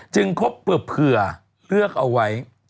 ครบเผื่อเลือกเอาไว้